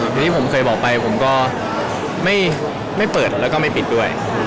ที่ผมเคยบอกไปผมก็ไม่เปิดแล้วก็ไม่ปิดด้วย